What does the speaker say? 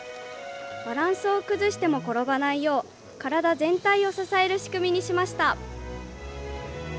バランスを崩しても転ばないよう体全体を支える仕組みにしました。